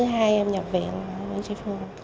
hai em nhập viện ở sài gòn